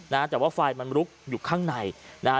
นะฮะแต่ว่าไฟมันลุกอยู่ข้างในนะฮะ